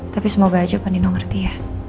tapi semoga aja pak dino ngerti ya